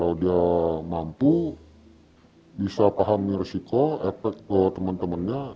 kalau dia mampu bisa pahami risiko efek ke teman temannya